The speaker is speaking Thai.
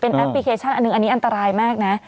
เป็นแอปพลิเคชันอันนึงอันตรายมากนะ